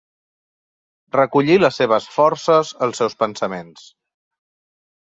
Recollir les seves forces, els seus pensaments.